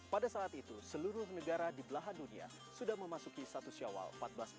pada saat itu seluruh negara di belahan dunia sudah memasuki satu syawal seribu empat ratus empat puluh